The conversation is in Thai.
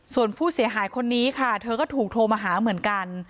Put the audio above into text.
ส่วนผู้เสียหายคนนี้ค่ะเธอก็ถูกโทรมาหาเหมือนกัน